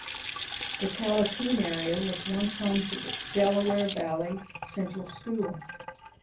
The Callicoon area was once home to Delaware Valley Central School.